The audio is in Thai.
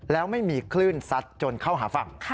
แล้วไม่มีคลื่นซัดจนเข้าหาฝั่ง